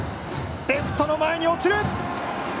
レフト前に落ちる。